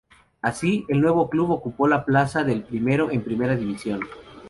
Así, el nuevo club ocupó la plaza del primero en Primera División.